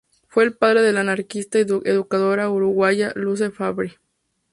Fue el padre de la anarquista y educadora uruguaya Luce Fabbri.